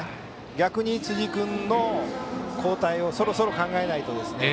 逆に辻君の交代をそろそろ考えないと。